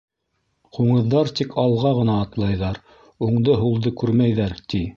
Ҡуңыҙҙар тик алға ғына атлайҙар, унды-һулды күрмәйҙәр, ти.